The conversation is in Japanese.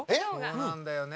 そうなんだよね。